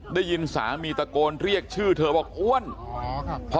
ได้ยินสามีตะโกนเรียกชื่อเธอบอกอ้วนอ๋อครับ